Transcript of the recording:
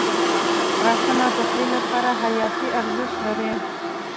• غاښونه د خولې لپاره حیاتي ارزښت لري.